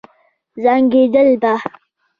زنګېدل به.